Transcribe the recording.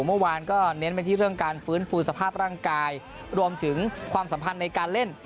เมื่อวานก็เน้นไปที่เรื่องการฟื้นฟูสภาพร่างกายรวมถึงความสัมพันธ์ในการเล่น